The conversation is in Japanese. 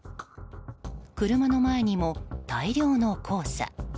車の前にも大量の黄砂。